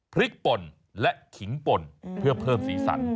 ป่นและขิงป่นเพื่อเพิ่มสีสัน